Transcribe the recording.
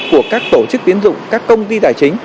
của các tổ chức tiến dụng các công ty tài chính